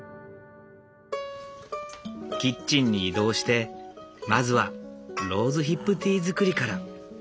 キッチンに移動してまずはローズヒップティー作りから。